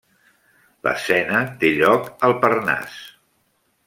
L'escena té lloc al Parnàs.